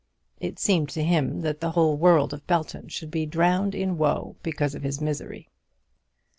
It seemed to him that the whole world of Belton should be drowned in woe because of his misery.